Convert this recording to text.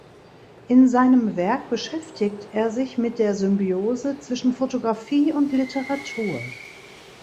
In seinem Werk beschäftigt er sich mit der Symbiose zwischen Photographie und Literatur.